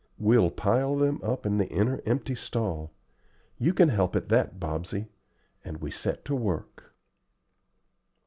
We'll pile them up in the inner empty stall. You can help at that, Bobsey;" and we set to work.